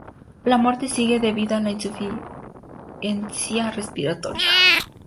La muerte sigue, debida a la insuficiencia respiratoria.